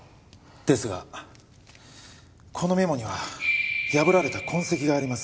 ですがこのメモには破られた痕跡があります。